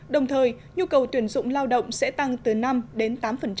đồng thời nhu cầu tuyển dụng lao động sẽ tăng từ năm đến tám